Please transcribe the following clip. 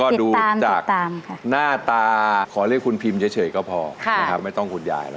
ก็ดูจากหน้าตาขอเรียกคุณพิมพ์เฉยก็พอนะครับไม่ต้องคุณยายแล้ว